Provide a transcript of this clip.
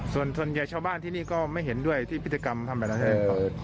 ส่วนใหญ่ชาวบ้านที่นี่ก็ไม่เห็นด้วยที่พิธีกรรมทำไปแล้วใช่ไหมครับ